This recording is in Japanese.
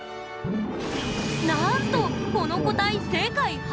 なんとこの個体世界初公開！